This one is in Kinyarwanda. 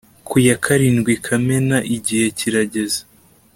ku ya karindwi kamena, igihe kirageze